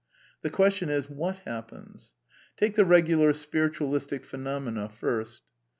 The question is: What happens? Take the regular Spiritualistic phenomena first.